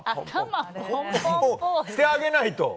してあげないと。